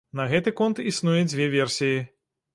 На гэты конт існуе дзве версіі.